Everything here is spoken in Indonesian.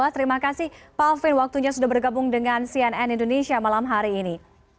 terima kasih pak alvin waktunya sudah bergabung dengan cnn indonesia malam hari ini